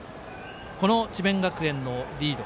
この智弁学園のリード。